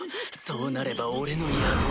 そうなれば俺の野望も。